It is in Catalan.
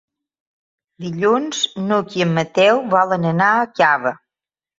Dilluns n'Hug i en Mateu volen anar a Cava.